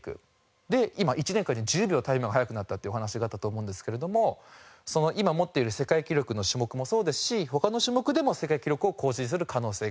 で今１年間に１０秒タイムが速くなったっていうお話があったと思うんですけれどもその今持っている世界記録の種目もそうですし他の種目でも世界記録を更新する可能性がある。